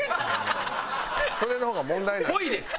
それの方が問題なんです。